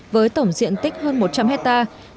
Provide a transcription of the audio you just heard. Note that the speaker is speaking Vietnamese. với tổng diện tích hơn một trăm linh hectare